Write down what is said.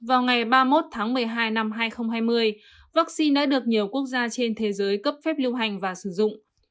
vào ngày ba mươi một tháng một mươi hai năm hai nghìn hai mươi vaccine đã được nhiều quốc gia trên thế giới cấp phép lưu hành và sử dụng